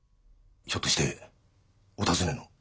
ひょっとしてお尋ねの？